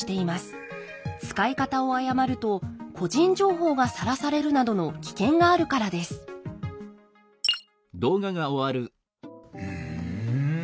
使い方を誤ると個人情報がさらされるなどの危険があるからですふん。